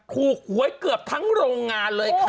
หวยเกือบทั้งโรงงานเลยค่ะ